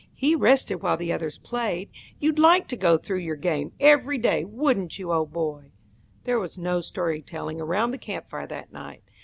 "He rested while the others played. You'd like to go through your game every day. Wouldn't you, old boy?" There was no story telling around the camp fire that night.